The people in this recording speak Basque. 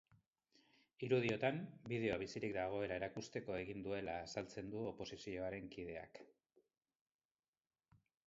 Irudiotan, bideoa bizirik dagoela erakusteko egin duela azaltzen du oposizioaren kideak.